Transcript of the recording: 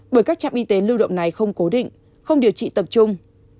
bởi các trạm y tế lưu động này không cố định không điều trị tập trung